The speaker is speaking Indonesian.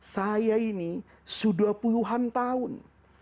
saya ini sudah puluhan tahun